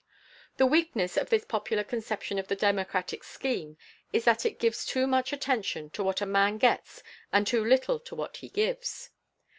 The weakness of this popular conception of the democratic scheme is that it gives too much attention to what a man gets and too little to what he gives.